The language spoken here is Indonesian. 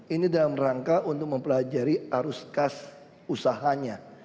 ini dalam rangka untuk mempelajari arus kas usahanya